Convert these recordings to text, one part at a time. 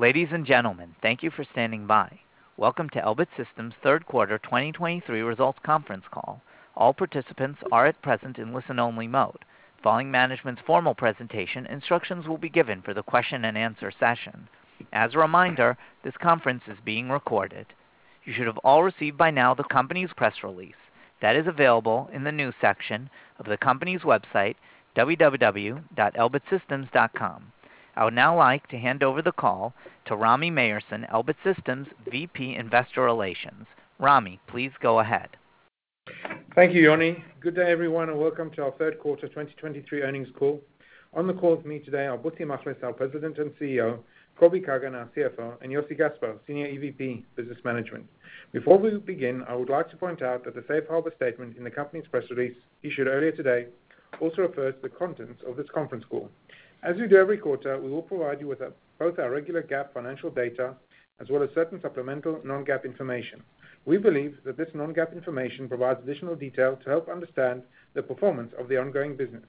Ladies and gentlemen, thank you for standing by. Welcome to Elbit Systems' third quarter 2023 results conference call. All participants are at present in listen-only mode. Following management's formal presentation, instructions will be given for the question-and-answer session. As a reminder, this conference is being recorded. You should have all received by now the company's press release that is available in the news section of the company's website, www.elbitsystems.com. I would now like to hand over the call to Rami Myerson, Elbit Systems, VP, Investor Relations. Rami, please go ahead. Thank you, Yoni. Good day, everyone, and welcome to our third quarter 2023 earnings call. On the call with me today are Butzi Machlis, our President and CEO, Kobi Kagan, our CFO, and Yossi Gaspar, Senior Executive Vice President, Business Management. Before we begin, I would like to point out that the safe harbor statement in the company's press release, issued earlier today, also refers to the contents of this conference call. As we do every quarter, we will provide you with both our regular GAAP financial data, as well as certain supplemental non-GAAP information. We believe that this non-GAAP information provides additional detail to help understand the performance of the ongoing business.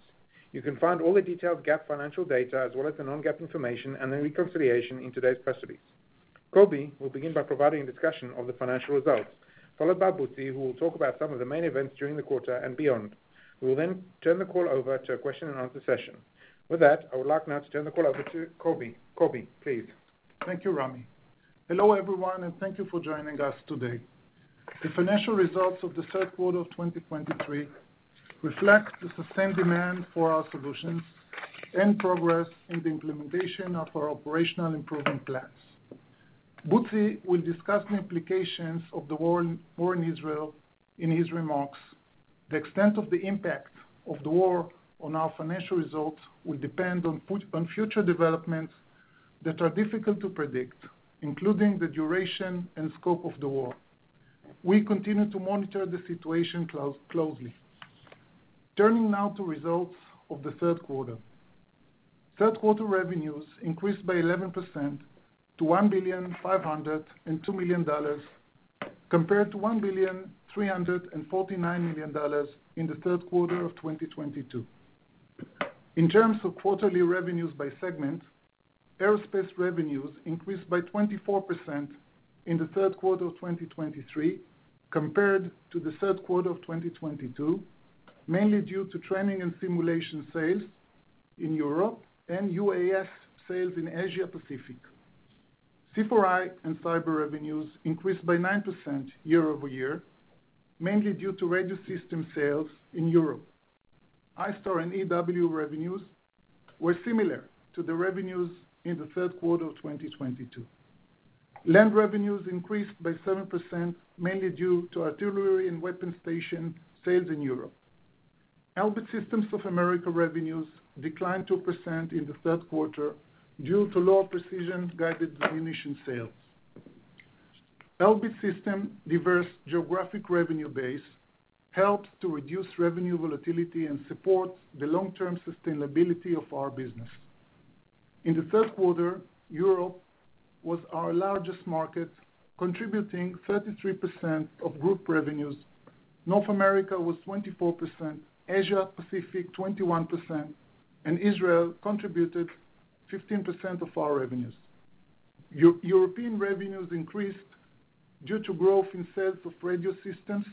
You can find all the detailed GAAP financial data, as well as the non-GAAP information and the reconciliation in today's press release. Kobi will begin by providing a discussion of the financial results, followed by Butzi, who will talk about some of the main events during the quarter and beyond. We will then turn the call over to a question-and-answer session. With that, I would like now to turn the call over to Kobi. Kobi, please. Thank you, Rami. Hello, everyone, and thank you for joining us today. The financial results of the third quarter of 2023 reflect the sustained demand for our solutions and progress in the implementation of our operational improvement plans. Butzi will discuss the implications of the war in Israel in his remarks. The extent of the impact of the war on our financial results will depend on future developments that are difficult to predict, including the duration and scope of the war. We continue to monitor the situation closely. Turning now to results of the third quarter. Third quarter revenues increased by 11% to $1.502 billion, compared to $1.349 billion in the third quarter of 2022. In terms of quarterly revenues by segment, aerospace revenues increased by 24% in the third quarter of 2023, compared to the third quarter of 2022, mainly due to training and simulation sales in Europe and UAS sales in Asia Pacific. C4I and Cyber revenues increased by 9% year-over-year, mainly due to radio system sales in Europe. ISTAR and EW revenues were similar to the revenues in the third quarter of 2022. Land revenues increased by 7%, mainly due to artillery and weapon station sales in Europe. Elbit Systems of America revenues declined 2% in the third quarter due to lower precision-guided ammunition sales. Elbit Systems diverse geographic revenue base helps to reduce revenue volatility and supports the long-term sustainability of our business. In the third quarter, Europe was our largest market, contributing 33% of group revenues. North America was 24%, Asia Pacific, 21%, and Israel contributed 15% of our revenues. European revenues increased due to growth in sales of radio systems,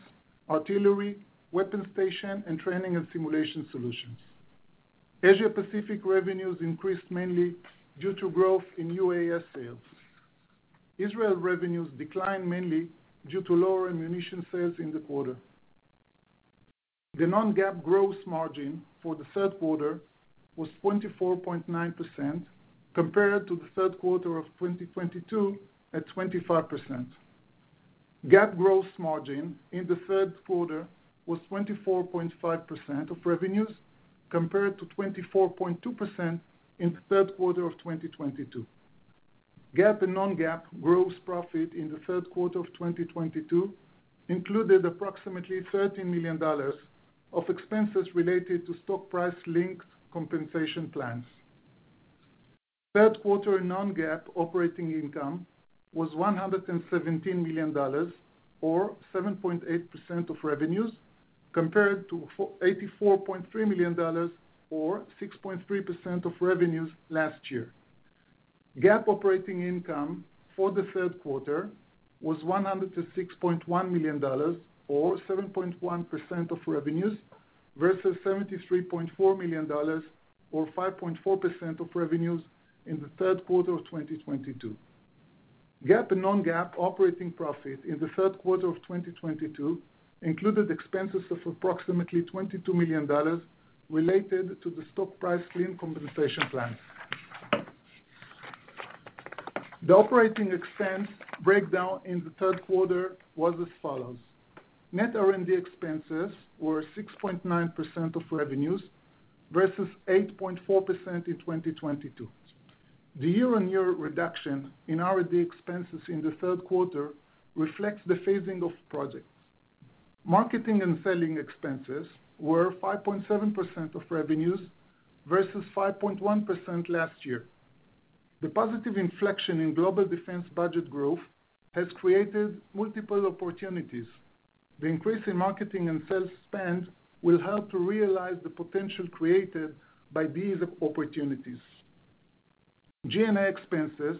artillery, weapon station, and training and simulation solutions. Asia Pacific revenues increased mainly due to growth in UAS sales. Israel revenues declined mainly due to lower ammunition sales in the quarter. The non-GAAP gross margin for the third quarter was 24.9%, compared to the third quarter of 2022 at 25%. GAAP gross margin in the third quarter was 24.5% of revenues, compared to 24.2% in the third quarter of 2022. GAAP and non-GAAP gross profit in the third quarter of 2022 included approximately $13 million of expenses related to stock price linked compensation plans. Third quarter non-GAAP operating income was $117 million or 7.8% of revenues, compared to $84.3 million or 6.3% of revenues last year. GAAP operating income for the third quarter was $106.1 million or 7.1% of revenues, versus $73.4 million, or 5.4% of revenues in the third quarter of 2022. GAAP and non-GAAP operating profit in the third quarter of 2022 included expenses of approximately $22 million related to the stock price linked compensation plan. The operating expense breakdown in the third quarter was as follows: Net R&D expenses were 6.9% of revenues, versus 8.4% in 2022. The year-on-year reduction in R&D expenses in the third quarter reflects the phasing of projects. Marketing and selling expenses were 5.7% of revenues, versus 5.1% last year. The positive inflection in global defense budget growth has created multiple opportunities. The increase in marketing and sales spend will help to realize the potential created by these opportunities. G&A expenses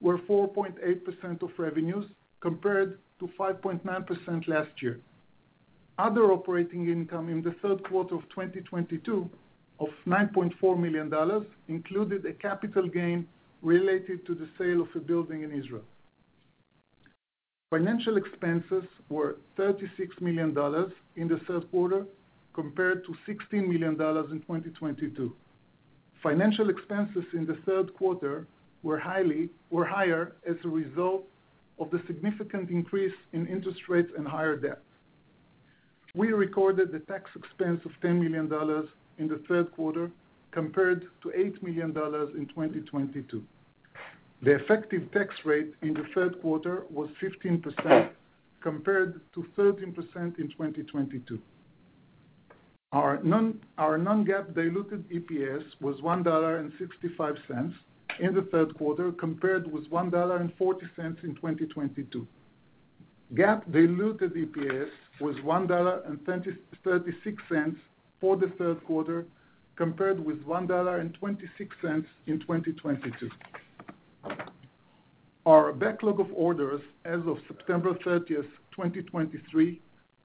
were 4.8% of revenues, compared to 5.9% last year. Other operating income in the third quarter of 2022, of $9.4 million, included a capital gain related to the sale of a building in Israel. Financial expenses were $36 million in the third quarter, compared to $16 million in 2022. Financial expenses in the third quarter were higher as a result of the significant increase in interest rates and higher debt. We recorded the tax expense of $10 million in the third quarter, compared to $8 million in 2022. The effective tax rate in the third quarter was 15%, compared to 13% in 2022. Our non-GAAP diluted EPS was $1.65 in the third quarter, compared with $1.40 in 2022. GAAP diluted EPS was $1.236 for the third quarter, compared with $1.26 in 2022. Our backlog of orders as of September 30, 2023,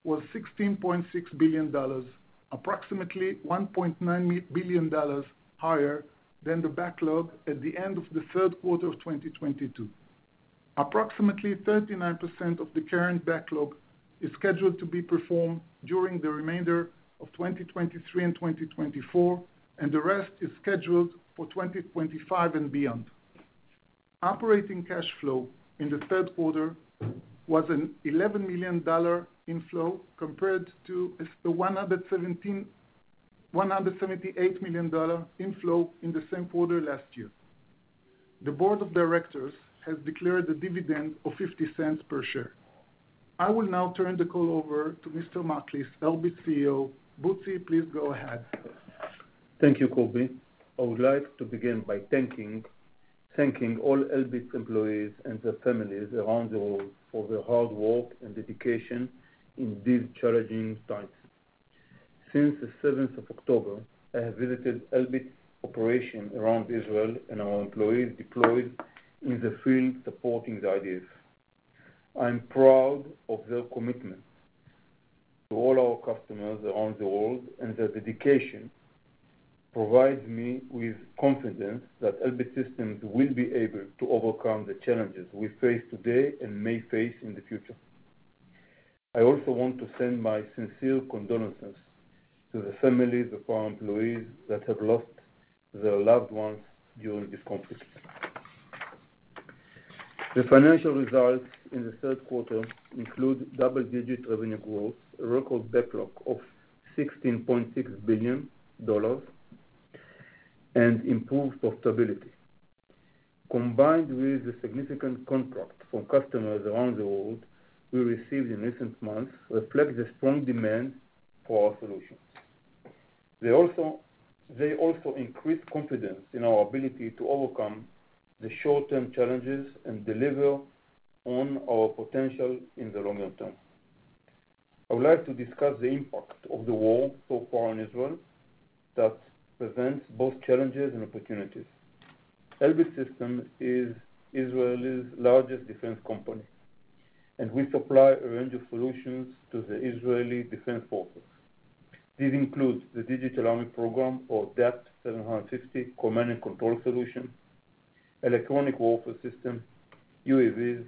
was $16.6 billion, approximately $1.9 billion higher than the backlog at the end of the third quarter of 2022. Approximately 39% of the current backlog is scheduled to be performed during the remainder of 2023 and 2024, and the rest is scheduled for 2025 and beyond. Operating cash flow in the third quarter was an $11 million inflow, compared to the $178 million inflow in the same quarter last year. The board of directors has declared a dividend of $0.50 per share. I will now turn the call over to Mr. Machlis, Elbit CEO. Butzi, please go ahead. Thank you, Kobi. I would like to begin by thanking all Elbit employees and their families around the world for their hard work and dedication in these challenging times. Since the seventh of October, I have visited Elbit operations around Israel, and our employees deployed in the field supporting the IDF. I'm proud of their commitment to all our customers around the world, and their dedication provides me with confidence that Elbit Systems will be able to overcome the challenges we face today and may face in the future. I also want to send my sincere condolences to the families of our employees that have lost their loved ones during this conflict. The financial results in the third quarter include double-digit revenue growth, a record backlog of $16.6 billion, and improved profitability. Combined with the significant contracts from customers around the world we received in recent months, reflect the strong demand for our solutions. They also increase confidence in our ability to overcome the short-term challenges and deliver on our potential in the longer term. I would like to discuss the impact of the war so far in Israel that presents both challenges and opportunities. Elbit Systems is Israel's largest defense company, and we supply a range of solutions to the Israeli Defense Forces. These include the Digital Army Program, or DAP 750 command and control solution, Electronic Warfare system, UAVs,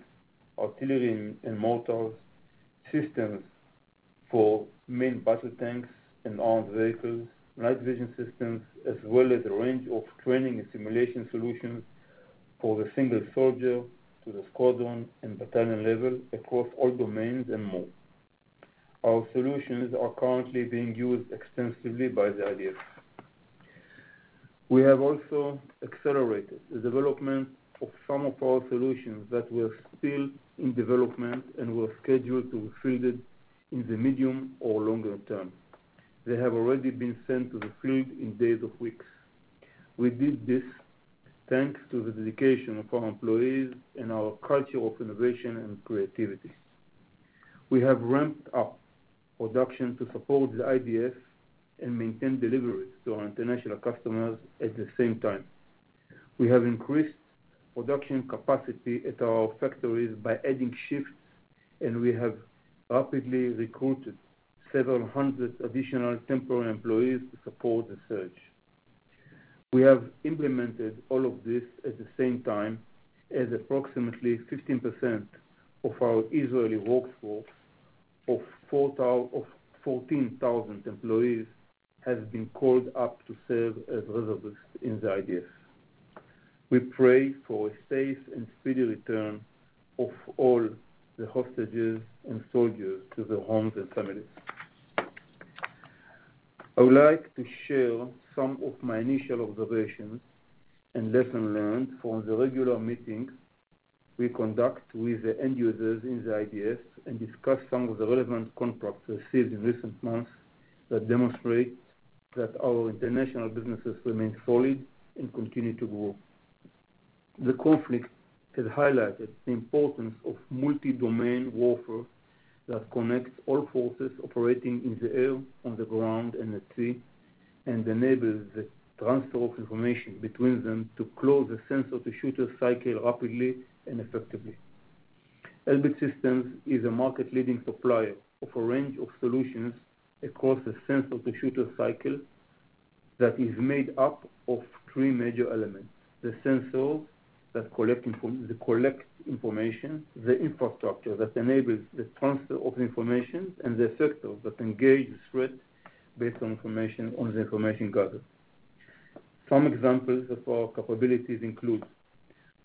artillery and mortars, systems for main battle tanks andarmed vehicles, night vision systems, as well as a range of training and simulation solutions for the single soldier to the squadron and battalion level across all domains and more. Our solutions are currently being used extensively by the IDF. We have also accelerated the development of some of our solutions that were still in development and were scheduled to be fielded in the medium or longer term. They have already been sent to the field in days or weeks. We did this thanks to the dedication of our employees and our culture of innovation and creativity. We have ramped up production to support the IDF and maintain deliveries to our international customers at the same time. We have increased production capacity at our factories by adding shifts, and we have rapidly recruited several hundred additional temporary employees to support the surge. We have implemented all of this at the same time as approximately 15% of our Israeli workforce of 14,000 employees has been called up to serve as reservists in the IDF. We pray for a safe and speedy return of all the hostages and soldiers to their homes and families. I would like to share some of my initial observations and lessons learned from the regular meetings we conduct with the end users in the IDF, and discuss some of the relevant contracts we received in recent months that demonstrate that our international businesses remain solid and continue to grow. The conflict has highlighted the importance of multi-domain warfare that connects all forces operating in the air, on the ground, and at sea, and enables the transfer of information between them to close the sensor-to-shooter cycle rapidly and effectively. Elbit Systems is a market-leading supplier of a range of solutions across the sensor-to-shooter cycle that is made up of three major elements: the sensor that collects information, the infrastructure that enables the transfer of information, and the effectors that engage the threat based on information, on the information gathered. Some examples of our capabilities include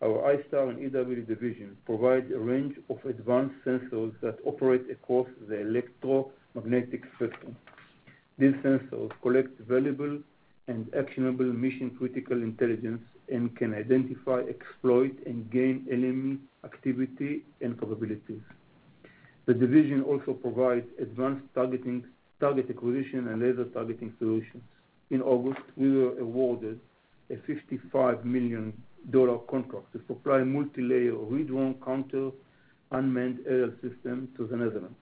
our ISTAR and EW division provide a range of advanced sensors that operate across the electromagnetic spectrum. These sensors collect valuable and actionable mission-critical intelligence and can identify, exploit, and gain enemy activity and capabilities. The division also provides advanced targeting, target acquisition, and laser targeting solutions. In August, we were awarded a $55 million contract to supply multilayer ReDrone counter unmanned aerial system to the Netherlands.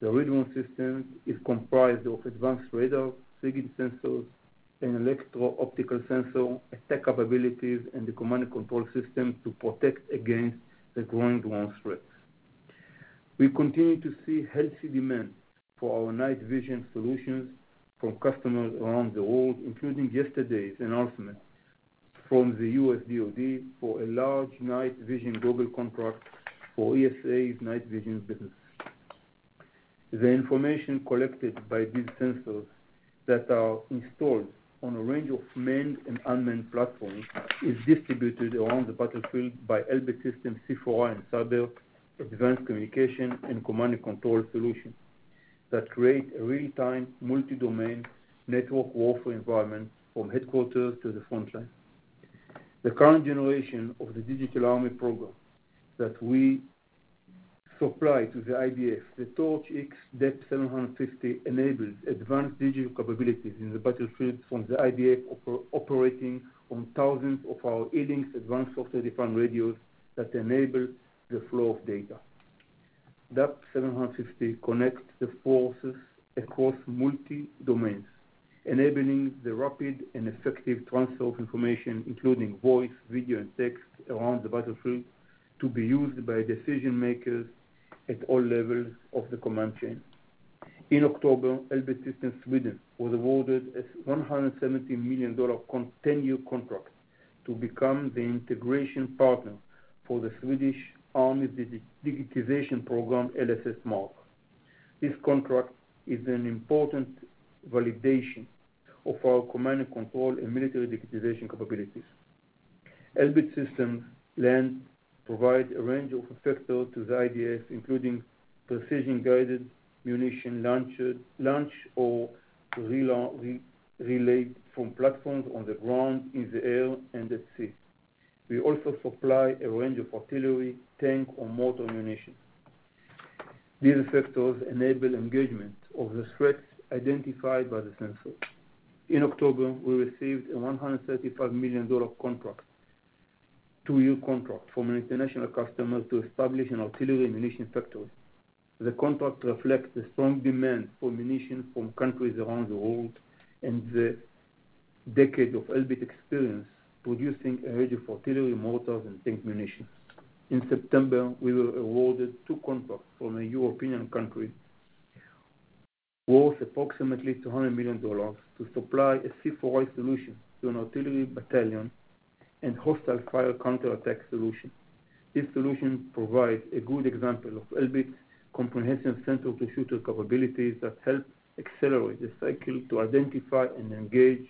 The ReDrone system is comprised of advanced radar, signal sensors, and electro-optical sensor, attack capabilities, and the command and control system to protect against the growing drone threats. We continue to see healthy demand for our night vision solutions from customers around the world, including yesterday's announcement from the U.S. DoD for a large night vision goggle contract for ESA's night vision business. The information collected by these sensors, that are installed on a range of manned and unmanned platforms, is distributed around the battlefield by Elbit Systems C4I and Cyber advanced communication and command and control solutions, that create a real-time, multi-domain network warfare environment from headquarters to the frontline. The current generation of the digital army program that we supply to the IDF, the Torch-X DAP 750, enables advanced digital capabilities in the battlefield from the IDF operating on thousands of our E-LynX advanced software-defined radios that enable the flow of data. DAP 750 connects the forces across multi-domains, enabling the rapid and effective transfer of information, including voice, video, and text, around the battlefield to be used by decision makers at all levels of the command chain. In October, Elbit Systems Sweden was awarded a $170 million ten-year contract to become the integration partner for the Swedish Army digitization program, LSS Mark. This contract is an important validation of our command and control and military digitization capabilities. Elbit Systems Land provides a range of effectors to the IDF, including precision-guided munition launchers or relayed from platforms on the ground, in the air, and at sea. We also supply a range of artillery, tank, or mortar ammunition. These effectors enable engagement of the threats identified by the sensor. In October, we received a $135 million, two-year contract from an international customer to establish an artillery ammunition factory. The contract reflects the strong demand for ammunition from countries around the world and the decade of Elbit experience producing a range of artillery, mortars, and tank munition. In September, we were awarded two contracts from a European country, worth approximately $200 million, to supply a C4I solution to an artillery battalion and Hostile Fire Counter Attack solution. This solution provides a good example of Elbit's comprehensive sensor-to-shooter capabilities that help accelerate the cycle to identify and engage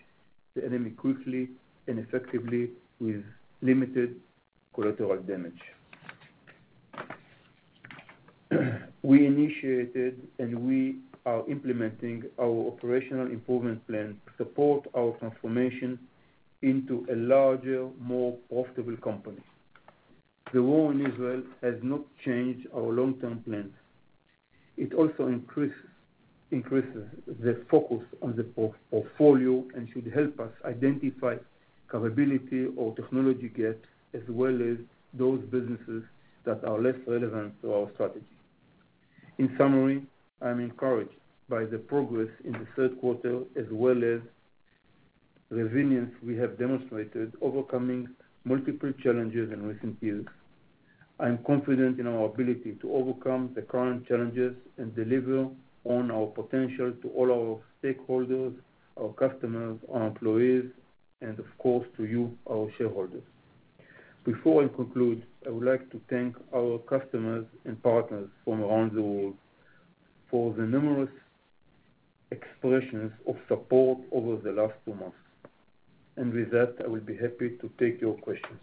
the enemy quickly and effectively with limited collateral damage. We initiated, and we are implementing our operational improvement plan to support our transformation into a larger, more profitable company. The war in Israel has not changed our long-term plans. It also increases the focus on the portfolio and should help us identify capability or technology gap, as well as those businesses that are less relevant to our strategy. In summary, I'm encouraged by the progress in the third quarter as well as the resilience we have demonstrated, overcoming multiple challenges in recent years. I'm confident in our ability to overcome the current challenges and deliver on our potential to all our stakeholders, our customers, our employees, and of course, to you, our shareholders. Before I conclude, I would like to thank our customers and partners from around the world for the numerous expressions of support over the last two months. With that, I will be happy to take your questions.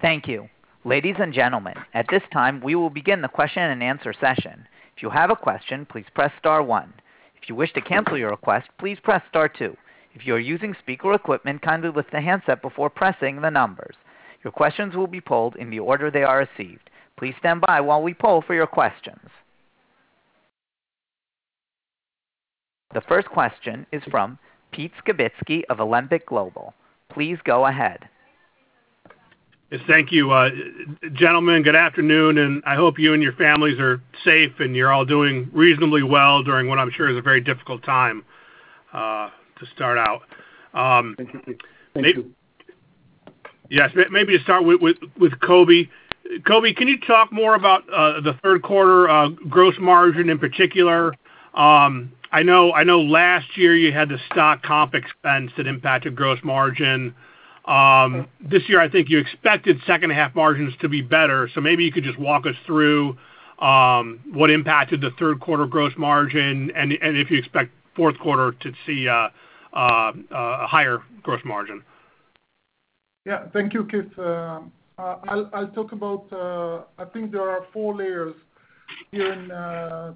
Thank you. Ladies and gentlemen, at this time, we will begin the question-and-answer session. If you have a question, please press star one. If you wish to cancel your request, please press star two. If you are using speaker equipment, kindly lift the handset before pressing the numbers. Your questions will be polled in the order they are received. Please stand by while we poll for your questions.... The first question is from Pete Skibitski of Alembic Global Advisors. Please go ahead. Yes, thank you. Gentlemen, good afternoon, and I hope you and your families are safe and you're all doing reasonably well during what I'm sure is a very difficult time, to start out. Thank you, Pete. Thank you. Yes. Maybe to start with Kobi. Kobi, can you talk more about the third quarter gross margin in particular? I know, I know last year you had the stock comp expense that impacted gross margin. This year, I think you expected second half margins to be better. So maybe you could just walk us through what impacted the third quarter gross margin, and if you expect fourth quarter to see a higher gross margin. Yeah. Thank you, Keith. I'll, I'll talk about, I think there are four layers here in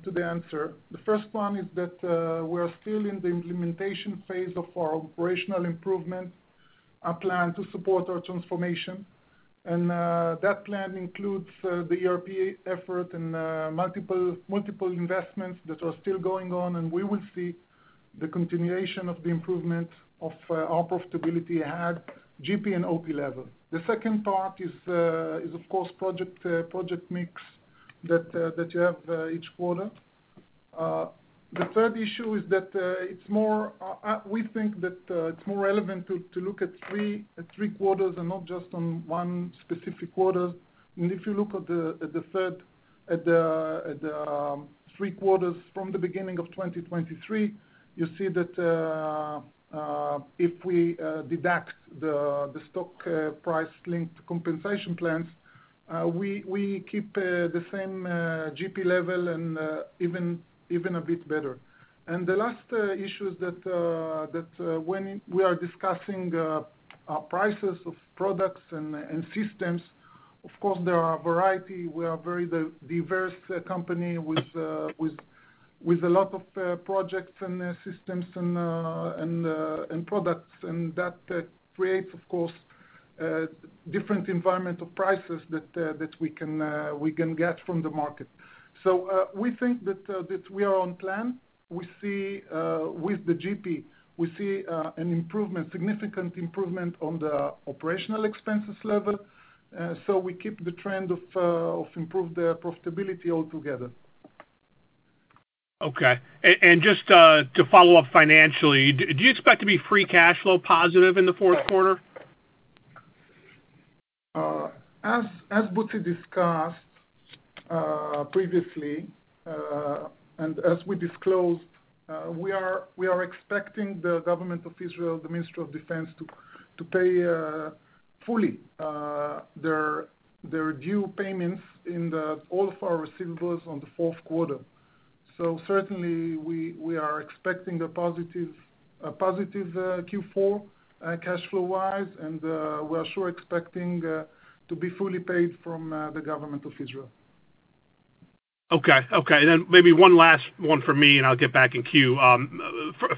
to the answer. The first one is that we're still in the implementation phase of our operational improvement, our plan to support our transformation. That plan includes the ERP effort and multiple, multiple investments that are still going on, and we will see the continuation of the improvement of our profitability at GP and OP level. The second part is, of course, project mix that you have each quarter. The third issue is that we think that it's more relevant to look at three quarters and not just on one specific quarter. If you look at the first three quarters from the beginning of 2023, you see that if we deduct the stock price-linked compensation plans, we keep the same GP level and even a bit better. The last issue is that when we are discussing prices of products and systems, of course, there are a variety. We are very diverse company with a lot of projects and systems and products, and that creates, of course, different pricing environments that we can get from the market. So, we think that we are on plan. We see, with the GP, we see, an improvement, significant improvement on the operational expenses level. So we keep the trend of, of improved, profitability altogether. Okay. And just to follow up financially, do you expect to be free cash flow positive in the fourth quarter? As Butzi discussed previously, and as we disclosed, we are expecting the Government of Israel, the Israel Ministry of Defense, to pay fully their due payments in all of our receivables in the fourth quarter. So certainly we are expecting a positive Q4 cash flow-wise, and we are sure expecting to be fully paid from the Government of Israel. Okay. Okay, then maybe one last one for me, and I'll get back in queue.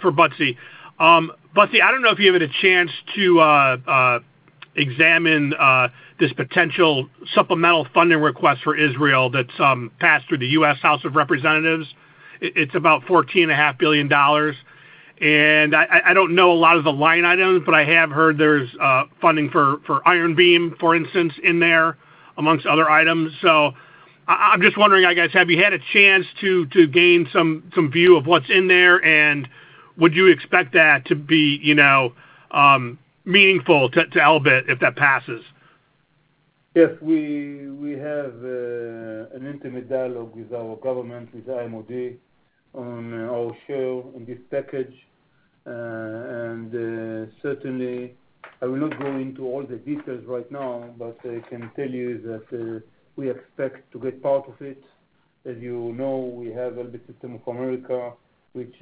For Butzi. Butzi, I don't know if you've had a chance to examine this potential supplemental funding request for Israel that's passed through the US House of Representatives. It's about $14.5 billion, and I don't know a lot of the line items, but I have heard there's funding for Iron Beam, for instance, in there, amongst other items. So I'm just wondering, I guess, have you had a chance to gain some view of what's in there? And would you expect that to be, you know, meaningful to Elbit, if that passes? Yes, we have an intimate dialogue with our government, with the IMOD, on our share in this package. And certainly I will not go into all the details right now, but I can tell you that we expect to get part of it. As you know, we have Elbit Systems of America, which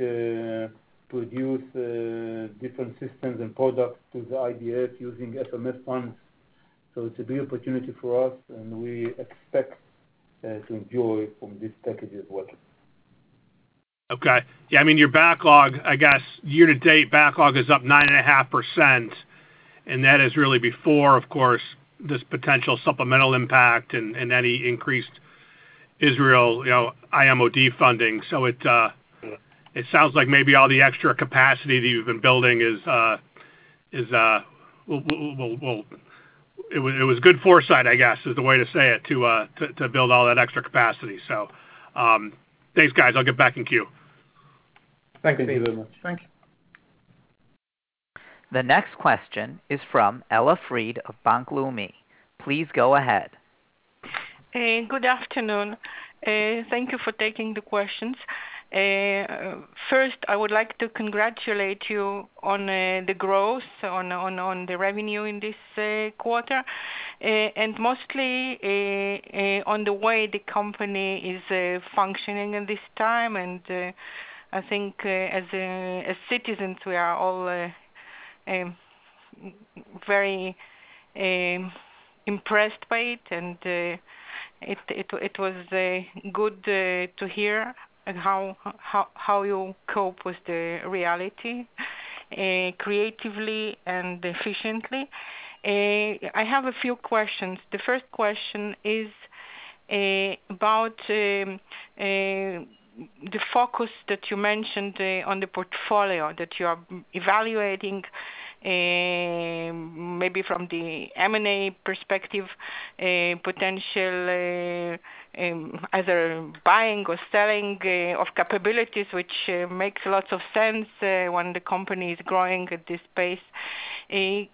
produce different systems and products to the IDF using FMF funds. So it's a big opportunity for us, and we expect to enjoy from this package as well. Okay. Yeah, I mean, your backlog, I guess, year-to-date backlog is up 9.5%, and that is really before, of course, this potential supplemental impact and, and any increased Israel, you know, IMOD funding. So it, Yes. It sounds like maybe all the extra capacity that you've been building is. Well, it was good foresight, I guess, is the way to say it, to build all that extra capacity. So, thanks, guys. I'll get back in queue. Thank you. Thank you very much. Thank you. The next question is from Ella Fried of Bank Leumi. Please go ahead. Good afternoon. Thank you for taking the questions. First, I would like to congratulate you on the growth, on the revenue in this quarter, and mostly on the way the company is functioning at this time. And I think, as citizens, we are all very impressed by it, and it was good to hear how you cope with the reality creatively and efficiently. I have a few questions. The first question is about the focus that you mentioned on the portfolio, that you are evaluating, maybe from the M&A perspective, potential either buying or selling of capabilities, which makes lots of sense when the company is growing at this pace.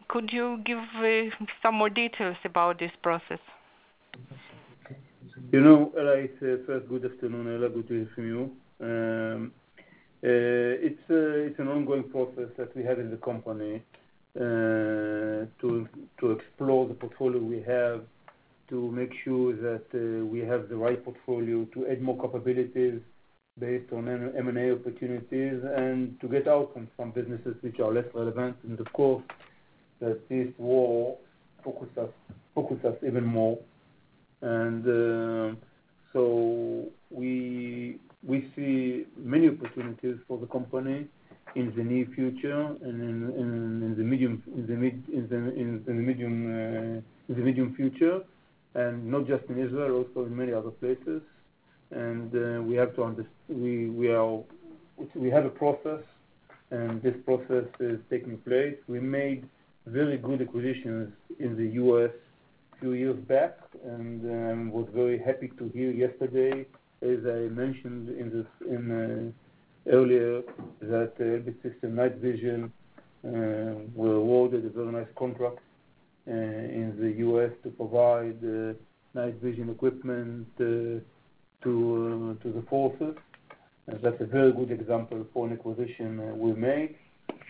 Could you give some more details about this process? You know, Ella, it's first good afternoon, Ella, good to hear from you. It's an ongoing process that we have in the company to explore the portfolio we have, to make sure that we have the right portfolio, to add more capabilities based on M&A opportunities, and to get out on some businesses which are less relevant. And of course, that this war focus us, focus us even more. So we see many opportunities for the company in the near future and in the medium future, and not just in Israel, also in many other places. We have a process, and this process is taking place. We made very good acquisitions in the U.S. a few years back, and was very happy to hear yesterday, as I mentioned earlier, that the system night vision were awarded a very nice contract in the U.S. to provide night vision equipment to the forces. And that's a very good example of an acquisition we made.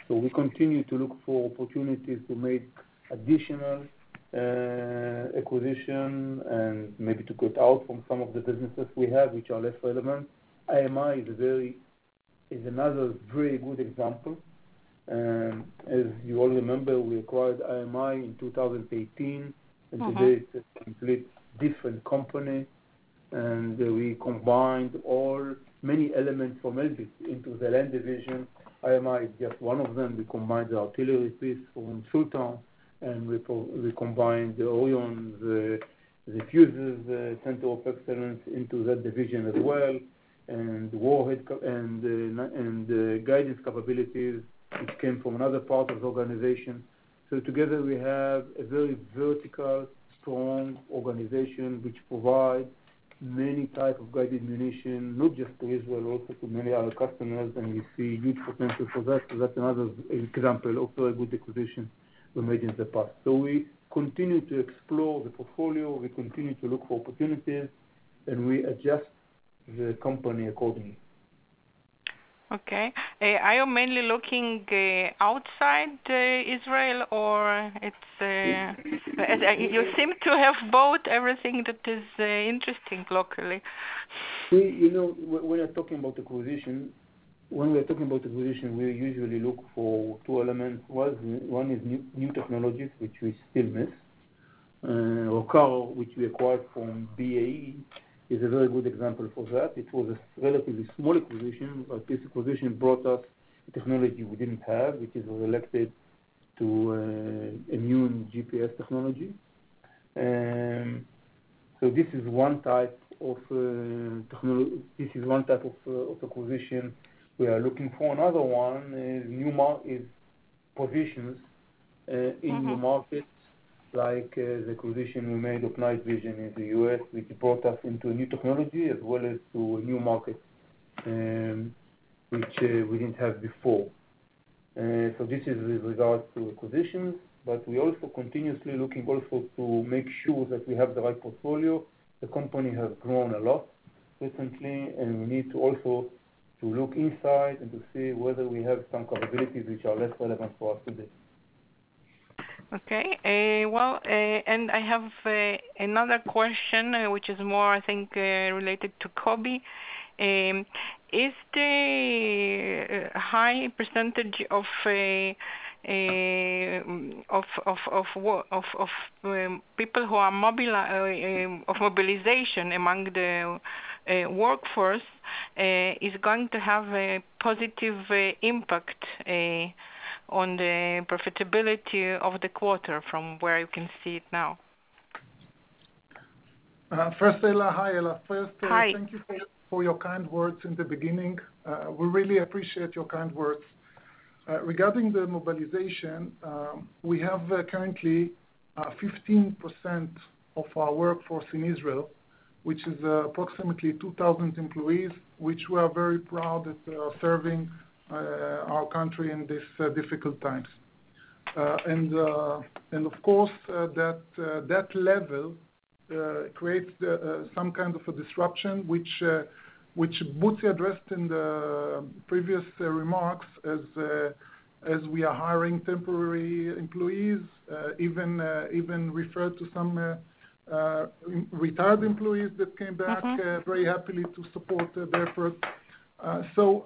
So we continue to look for opportunities to make additional acquisition, and maybe to get out from some of the businesses we have, which are less relevant. IMI is another very good example. As you all remember, we acquired IMI in 2018. Mm-hmm. Today it's a complete different company, and we combined all, many elements from Elbit into the land division. IMI is just one of them. We combined the artillery piece from Soltam, and we combined the Ordnance, the fuzes, center of excellence into that division as well, and warhead and the guidance capabilities, which came from another part of the organization. So together, we have a very vertical, strong organization, which provides many type of guided ammunition, not just to Israel, also to many other customers, and we see huge potential for that. So that's another example of a good acquisition we made in the past. So we continue to explore the portfolio, we continue to look for opportunities, and we adjust the company accordingly. Okay. Are you mainly looking outside Israel, or it's you seem to have bought everything that is interesting locally? We, you know, when we are talking about acquisition, when we are talking about acquisition, we usually look for two elements. One, one is new, new technologies, which we still miss. Rokar, which we acquired from BAE, is a very good example for that. It was a relatively small acquisition, but this acquisition brought us technology we didn't have, which is related to immune GPS technology. And so this is one type of this is one type of, of acquisition we are looking for. Another one is new is positions. Mm-hmm... in new markets, like, the acquisition we made of night vision in the U.S., which brought us into a new technology as well as to a new market, which, we didn't have before. So this is with regards to acquisitions, but we also continuously looking also to make sure that we have the right portfolio. The company has grown a lot recently, and we need to also to look inside and to see whether we have some capabilities which are less relevant for us today. Okay, well, and I have another question, which is more, I think, related to Kobi. Is the high percentage of mobilization among the workforce is going to have a positive impact on the profitability of the quarter from where you can see it now? First, Ella. Hi, Ella. Hi. First, thank you for your kind words in the beginning. We really appreciate your kind words. Regarding the mobilization, we have currently 15% of our workforce in Israel, which is approximately 2,000 employees, which we are very proud that they are serving our country in these difficult times. And of course, that level creates some kind of a disruption, which Butzi addressed in the previous remarks as we are hiring temporary employees, even referred to some retired employees that came back- Okay... very happily to support the effort. So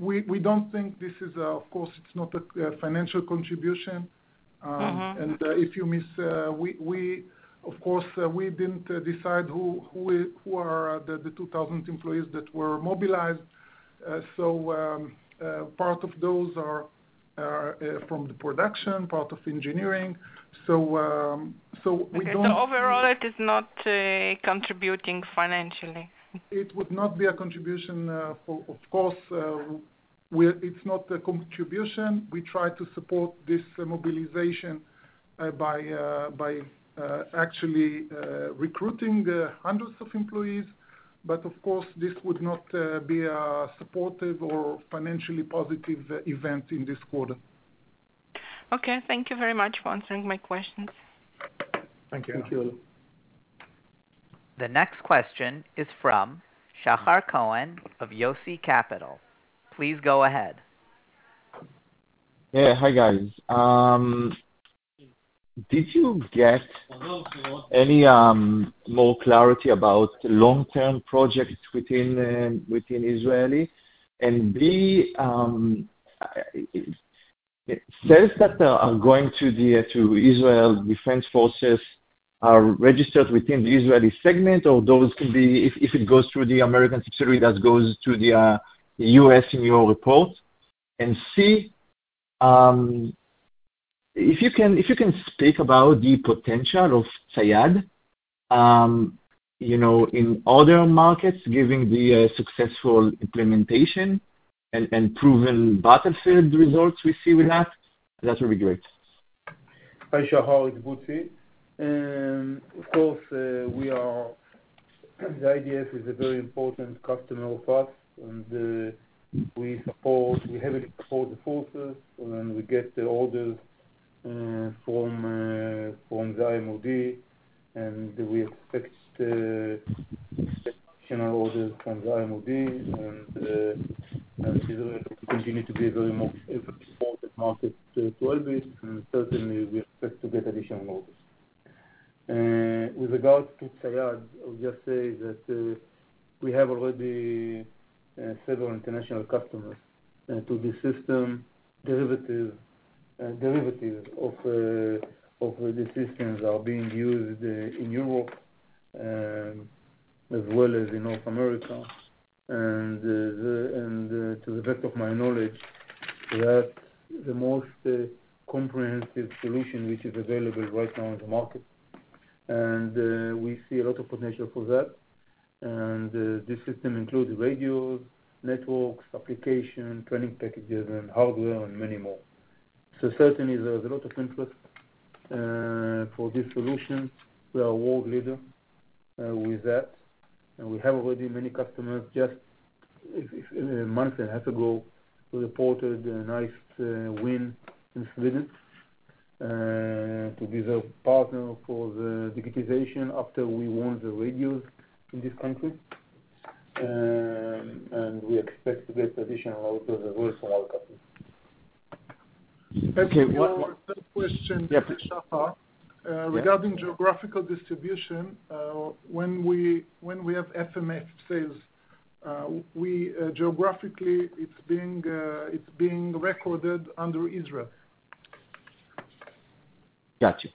we don't think this is, of course, it's not a financial contribution. Mm-hmm. If you miss, we, of course, we didn't decide who—who are the 2,000 employees that were mobilized. So, part of those are from the production, part of engineering. So, so we don't- Okay, so overall, it is not contributing financially? It would not be a contribution, for of course, it's not a contribution. We try to support this mobilization by actually recruiting the hundreds of employees. But of course, this would not be a supportive or financially positive event in this quarter. Okay, thank you very much for answering my questions. Thank you. Thank you. The next question is from Shahar Cohen of Psagot. Please go ahead. Yeah, hi, guys. Did you get any more clarity about long-term projects within Israel? And B, sales that are going to the Israel Defense Forces are registered within the Israeli segment, or those could be, if it goes through the American subsidiary, that goes to the U.S. in your report. And C, if you can speak about the potential of Tzayad, you know, in other markets, given the successful implementation and proven battlefield results we see with that, that would be great. Hi, Shahar, it's Butzi. Of course, the IDF is a very important customer of us, and we support, we heavily support the forces when we get the orders from the IMOD, and we expect additional orders from the IMOD, and Israel continue to be a very more, a very important market to Elbit, and certainly we expect to get additional orders. With regards to Tzayad, I would just say that we have already several international customers, and to the system derivative, derivatives of the systems are being used in Europe, as well as in North America. To the best of my knowledge, that's the most comprehensive solution which is available right now in the market. We see a lot of potential for that. This system includes radios, networks, application, training packages, and hardware, and many more. So certainly there's a lot of interest for this solution. We are a world leader with that, and we have already many customers. Just a month and a half ago, we reported a nice win in Sweden to be the partner for the digitization after we won the radios in this country. And we expect to get additional orders as well from our customers. Okay, one- That question, Shahar. Yeah. Regarding geographical distribution, when we have FMF sales, geographically, it's being recorded under Israel. Got you.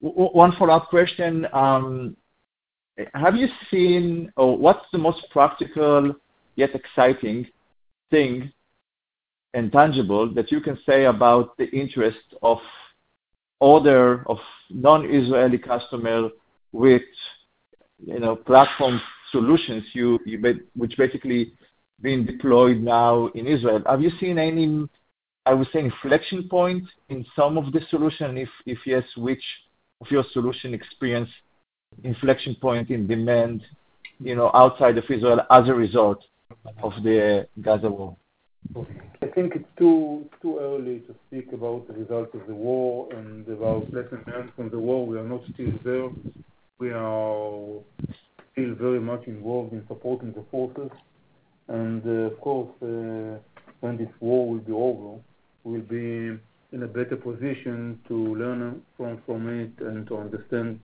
One follow-up question. Have you seen or what's the most practical yet exciting thing, and tangible, that you can say about the interest of order of non-Israeli customer with, you know, platform solutions you, you built, which basically being deployed now in Israel? Have you seen any, I would say, inflection point in some of the solution? If, if yes, which of your solution experience inflection point in demand, you know, outside of Israel as a result of the Gaza war? I think it's too, too early to speak about the result of the war and about lessons learned from the war. We are not still there. We are still very much involved in supporting the forces. And, of course, when this war will be over, we'll be in a better position to learn from it and to understand,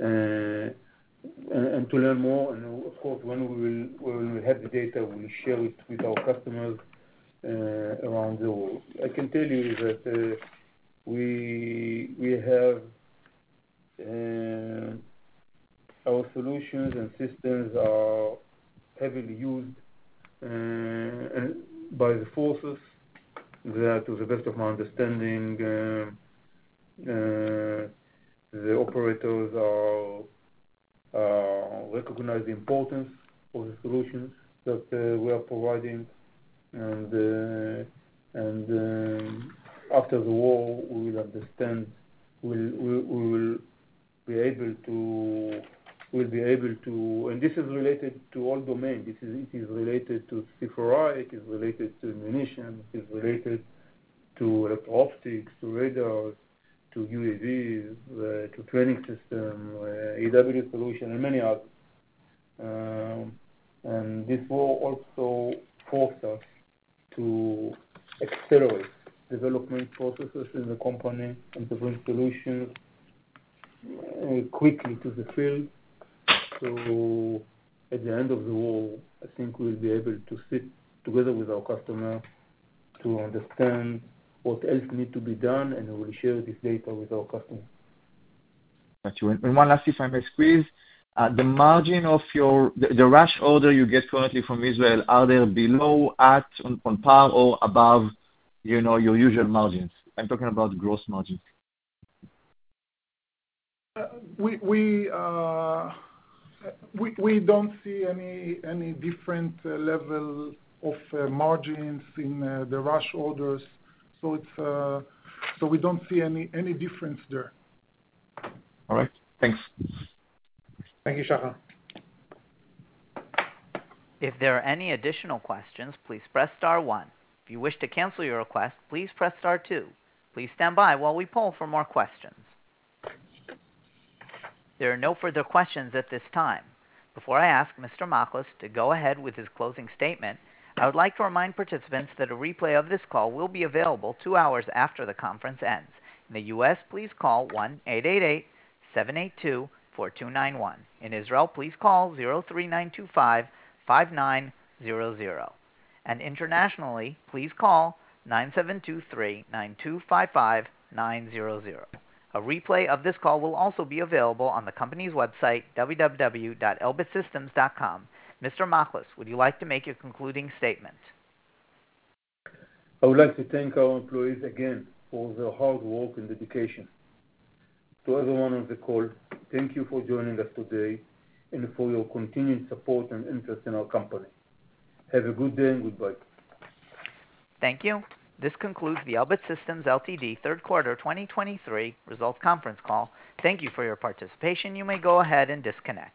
and to learn more. And of course, when we have the data, we'll share it with our customers around the world. I can tell you that, we have... Our solutions and systems are heavily used by the forces. That to the best of my understanding, the operators are recognize the importance of the solutions that we are providing. After the war, we will understand. We will be able to—and this is related to all domains. This is, it is related to C4I, it is related to ammunition, it is related to optics, to radars, to UAVs, to training system, AW solution, and many others. And this will also force us to accelerate development processes in the company and to bring solutions quickly to the field. So at the end of the war, I think we'll be able to sit together with our customers to understand what else needs to be done, and we'll share this data with our customers. Got you. And one last, if I may squeeze. The margin of your... the rush order you get currently from Israel, are they below, at, on, on par or above, you know, your usual margins? I'm talking about gross margins. We don't see any different level of margins in the rush orders. So we don't see any difference there. All right. Thanks. Thank you, Shahar. If there are any additional questions, please press star one. If you wish to cancel your request, please press star two. Please stand by while we poll for more questions. There are no further questions at this time. Before I ask Mr. Machlis to go ahead with his closing statement, I would like to remind participants that a replay of this call will be available 2 hours afterthe conference ends. In the US, please call 1-888-782-4291. In Israel, please call 03-925-5900. And internationally, please call 972-3-925-5900. A replay of this call will also be available on the company's website, www.elbitsystems.com. Mr. Machlis, would you like to make your concluding statement? I would like to thank our employees again for their hard work and dedication. To everyone on the call, thank you for joining us today and for your continued support and interest in our company. Have a good day, and goodbye. Thank you. This concludes the Elbit Systems Ltd. third quarter 2023 results conference call. Thank you for your participation. You may go ahead and disconnect.